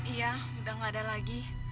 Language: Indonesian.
iya udah gak ada lagi